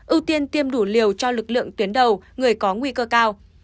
ưu tiên tiêm đủ liều cho lực lượng tuyến đầu người có nguy cơ cao